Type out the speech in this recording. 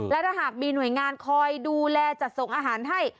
และถ้าหากมีหน่วยงานคอยดูแลจัดส่งอาหารให้